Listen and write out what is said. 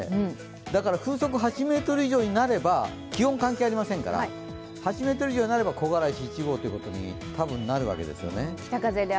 だから風速８ｍ以上になれば気温関係ありませんから、８メートル以上になれば木枯らし１号ということにたぶんなるわけですね。